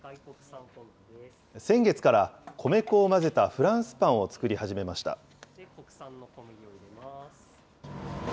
先月から米粉を混ぜたフランスパンを作り始めました。